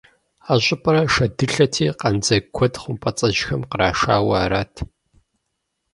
А щӏыпӏэр шэдылъэти, къандзэгу куэд хъумпӀэцӀэджхэм кърашауэ арат.